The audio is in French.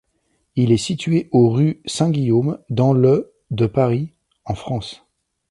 Il est situé au rue Saint-Guillaume, dans le de Paris, en France.